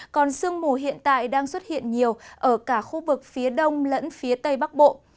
còn sương mù hiện tại đang xuất hiện nhiều ở cả khu vực phía đông lẫn phía tây bắc bộ